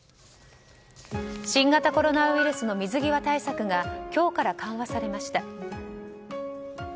新型コロナウイルスの水際対策が今日から緩和されました。